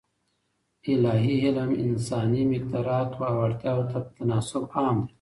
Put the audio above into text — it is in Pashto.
الاهي علم انساني مقدراتو او اړتیاوو ته په تناسب عام دی.